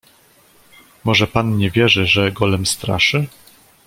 "Może pan nie wierzy, że Golem straszy?"